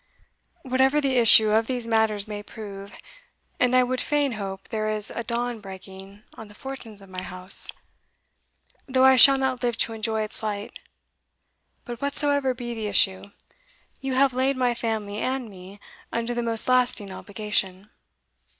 Whatever the issue of these matters may prove, and I would fain hope there is a dawn breaking on the fortunes of my house, though I shall not live to enjoy its light, but whatsoever be the issue, you have laid my family and me under the most lasting obligation."